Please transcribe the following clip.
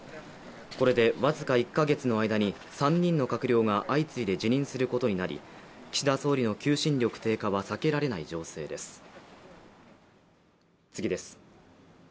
これで僅か１か月の間に３人の閣僚が相次いで辞任することになり岸田総理の求心力低下は避けられない情勢です。